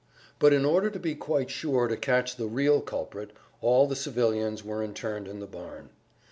But in order to be quite sure to catch the "real" culprit all the civilians were interned in the barn.